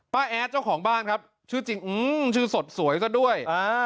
แอดเจ้าของบ้านครับชื่อจริงชื่อสดสวยซะด้วย